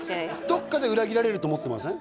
どっかで裏切られると思ってません？